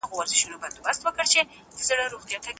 ټولنیز نهاد د خلکو اړتیاوې تنظیموي.